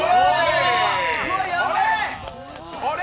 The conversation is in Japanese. あれ？